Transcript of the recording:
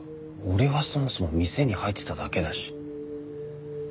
俺はそもそも店に入ってただけだし。